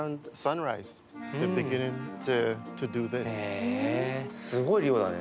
へえすごい量だね